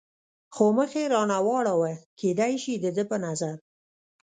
خو مخ یې را نه واړاوه، کېدای شي د ده په نظر.